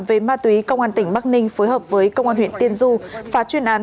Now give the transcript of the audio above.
về ma túy công an tỉnh bắc ninh phối hợp với công an huyện tiên du phá chuyên án